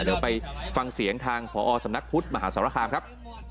เดี๋ยวไปฟังเสียงทางพอสำนักพุทธมหาสารคามครับ